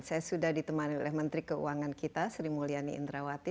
saya sudah ditemani oleh menteri keuangan kita sri mulyani indrawati